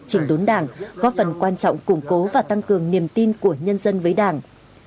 chỉnh đốn đảng góp phần quan trọng củng cố và tăng cường niềm tin của nhân dân với đảng